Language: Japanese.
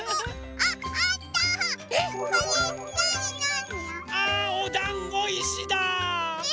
あおだんごいしだ！え？